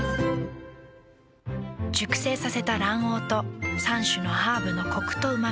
熟成させた卵黄と３種のハーブのコクとうま味。